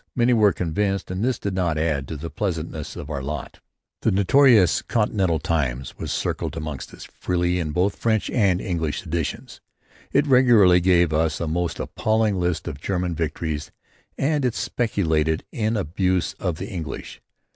Many were convinced, and this did not add to the pleasantness of our lot. The notorious Continental Times was circulated amongst us freely in both French and English editions. It regularly gave us a most appalling list of German victories and it specialised in abuse of the English.